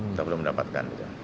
kita belum mendapatkan